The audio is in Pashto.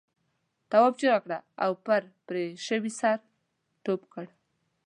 تواب چیغه کړه او پر پرې شوي سر ټوپ کړ.